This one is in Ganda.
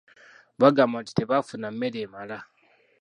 Baagamba nti tebaafuna mmere emala.